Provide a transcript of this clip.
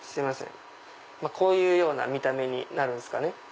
こういうような見た目になるんすかね。